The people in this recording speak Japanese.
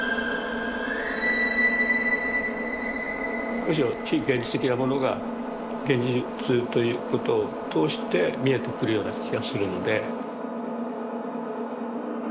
むしろ非現実的なものが現実ということを通して視えてくるような気がするので。